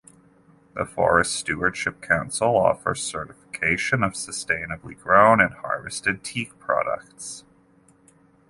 The Forest Stewardship Council offers certification of sustainably grown and harvested teak products.